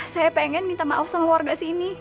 saya pengen minta maaf sama warga sini